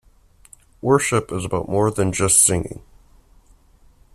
Worship is about more than just singing.